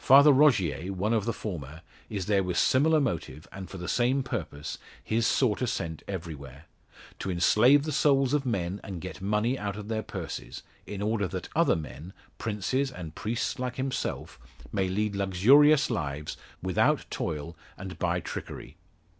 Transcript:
Father Rogier, one of the former, is there with similar motive, and for the same purpose, his sort are sent everywhere to enslave the souls of men and get money out of their purses, in order that other men, princes, and priests like himself, may lead luxurious lives, without toil and by trickery.